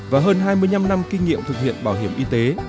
và hơn hai mươi năm năm kinh nghiệm thực hiện bảo hiểm y tế